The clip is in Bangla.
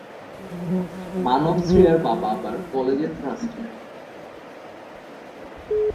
মানভ-শ্রেয়ার বাবা আবার কলেজের ট্রাস্টি।